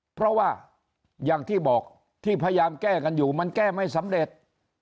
เพราะว่าอย่างที่บอกที่พยายามแก้กันอยู่มันแก้ไม่สำเร็จ